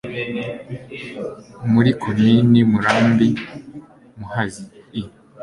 muri Komini Murambi, Muhazii